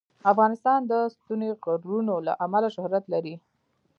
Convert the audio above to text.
افغانستان د ستوني غرونه له امله شهرت لري.